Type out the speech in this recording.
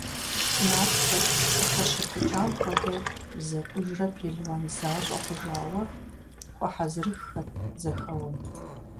Нартхэр, къыхащыпыкӀам хуэдэу зэкӀужрэ пелуан защӀэ хъужауэ, хуэхьэзырыххэт зэхэуэм.